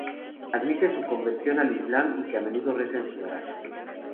Admite su conversión al Islam y que a menudo reza en su garaje.